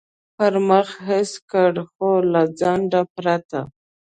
پر مخ حس کړ، خو له ځنډه پرته.